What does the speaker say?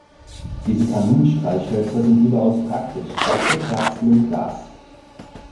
Diese Kaminstreichhölzer sind überaus praktisch, auch für Kerzen im Glas.